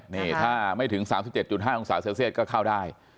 นี่ถ้าไม่ถึง๓๗๕องศาเซลเซียตก็เข้าได้